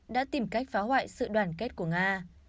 đã tìm cách phá hoại sự đoàn kết của nga